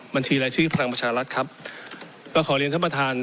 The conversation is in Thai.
บัญชีรายชื่อพลังประชารัฐครับก็ขอเรียนท่านประธาน